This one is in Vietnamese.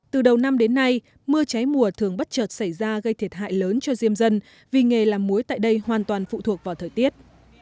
từ đầu năm đến nay mưa cháy mùa thường bất chợt xảy ra gây thiệt hại lớn cho diêm dân vì nghề làm muối tại đây hoàn toàn phụ thuộc vào thời tiết